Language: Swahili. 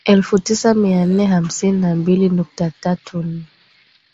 elfu tisa mia nne hamsini na mbili nukta tatu nne